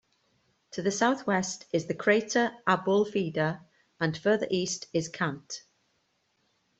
To the southwest is the crater Abulfeda and further east is Kant.